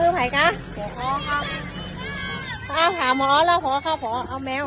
คือไหนกะพ่อครับพ่อครับหาหมอแล้วพ่อครับพ่อเอาแมว